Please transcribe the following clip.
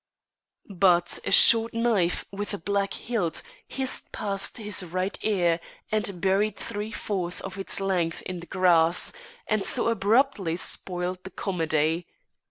But a short knife with a black hilt hissed past his right ear and buried three fourths of its length in the grass, and so abruptly spoiled the comedy.